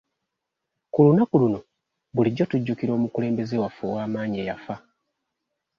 Ku lunaku luno bulijjo tujjukira omukulembeze waffe ow'amaanyi eyafa.